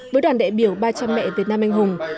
với đoàn đại biểu ba trăm linh mẹ việt nam anh hùng